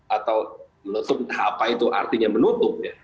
atau menutup apa itu artinya menutup ya